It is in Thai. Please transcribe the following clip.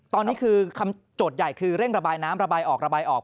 ตอนนี้คือคำโจทย์ใหญ่คือเร่งระบายน้ำระบายออกระบายออก